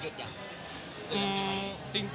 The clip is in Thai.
คือแฟนคลับเขามีเด็กเยอะด้วย